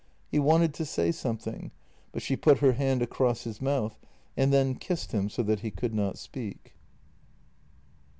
He wanted to say something, but she put her hand across his mouth and then kissed him so that he could not speak.